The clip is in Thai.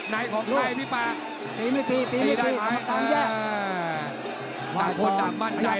ในของใครพี่ป่าตีไม่ตีตีได้ไหม